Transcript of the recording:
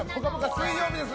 水曜日です。